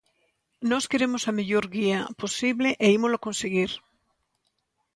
Nós queremos a mellor guía posible e ímolo conseguir.